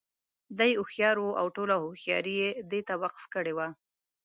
دى هوښيار وو او ټوله هوښياري یې دې ته وقف کړې وه.